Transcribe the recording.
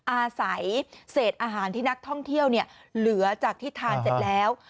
อาศัยเศษอาหารที่นักท่องเที่ยวเหลือจากที่ทานเสร็จแล้ว